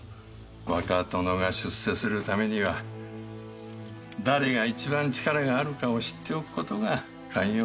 若殿が出世するためには誰が一番力があるかを知っておく事が肝要でして。